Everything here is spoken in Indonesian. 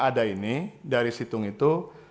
ada ini dari situng itu